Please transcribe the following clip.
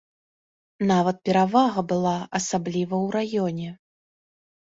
Нават перавага была, асабліва ў раёне.